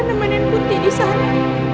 nemenin putri disana